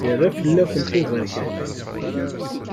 Yerra fell-kent uberkan.